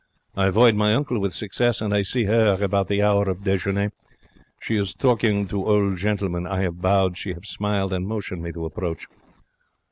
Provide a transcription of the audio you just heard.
I avoid my uncle with success, and I see 'er about the hour of dejeuner. She is talking to old gentleman. I have bowed. She have smiled and motioned me to approach.